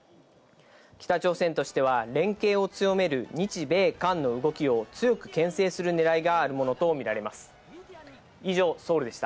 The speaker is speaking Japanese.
北朝鮮としては連携を強める日米韓の動きを強くけん制するねらいがあるものとみられます。